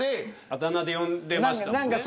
あだ名で呼んでましたもんね。